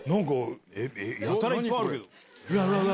やたらいっぱいあるけど。